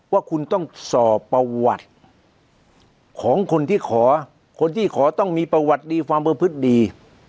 ว่าคุณต้องสอบประวัติของคนที่ขอคนที่ขอต้องมีประวัติดีความประพฤติดี